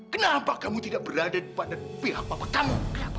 kenapa kamu tidak berada pada pihak apa kamu